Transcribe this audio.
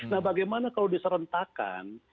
nah bagaimana kalau diserentakan